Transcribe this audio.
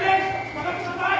下がってください。